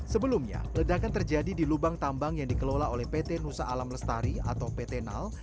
sebelumnya ledakan terjadi di lubang tambang yang dikelola oleh pt nusa alam lestari atau pt nal